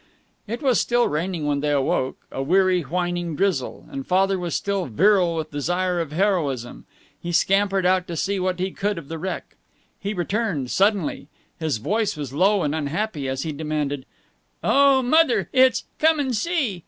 It was still raining when they awoke, a weary, whining drizzle. And Father was still virile with desire of heroism. He scampered out to see what he could of the wreck. He returned, suddenly. His voice was low and unhappy as he demanded, "Oh, Mother, it's Come and see."